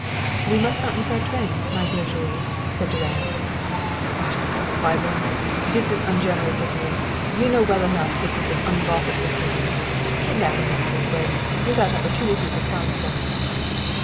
"We must not miss our train, my dear Jules!" said Durand. "Bah, Claiborne! this is ungenerous of you. You know well enough this is an unlawful proceeding kidnapping us this way without opportunity for counsel."